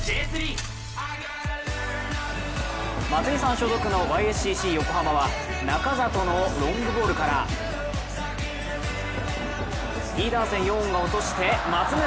松井さん所属のＹ．Ｓ．Ｃ．Ｃ．横浜は中里のロングボールからピーダーセン世穏が落として、松村。